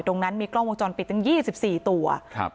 ตรงนั้นมีกล้องวงจรปิดตั้งยี่สิบสี่ตัวครับ